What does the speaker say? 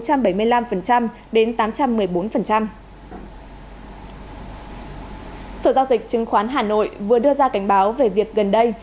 sở giao dịch chứng khoán hà nội vừa đưa ra cảnh báo về việc gần đây